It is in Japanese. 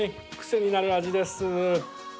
癖になる味です。